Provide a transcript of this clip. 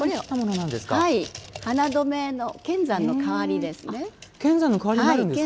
花留めの剣山の代わりですね。